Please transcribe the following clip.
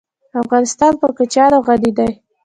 افغانستان په کوچیان غني دی.